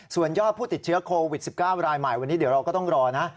ส่วนยอดผู้ติดเชื้อโควิด๑๙รายใหม่วันนี้เดี๋ยวเราก็ต้องรอนะ